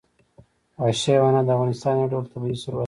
وحشي حیوانات د افغانستان یو ډول طبعي ثروت دی.